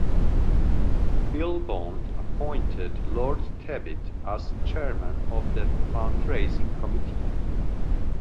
Bill Bond appointed Lord Tebbit as chairman of the fundraising committee.